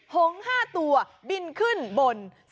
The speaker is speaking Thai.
หง๕ตัวบินขึ้นบน